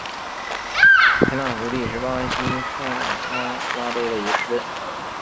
佩纳福蒂是巴西塞阿拉州的一个市镇。